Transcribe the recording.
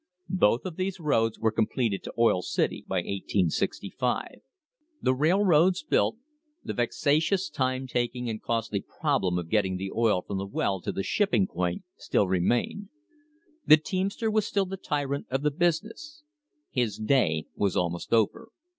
Both of these roads were completed to Oil City by 1865. The railroads built, the vexatious, time taking, and costly problem of getting the oil from the well to the shipping point still remained. The teamster was still the tyrant of the business. His day was almost over.